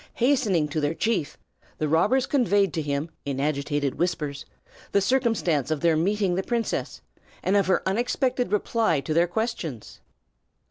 Hastening to their chief, the robbers conveyed to him, in agitated whispers, the circumstance of their meeting the princess, and of her unexpected reply to their questions.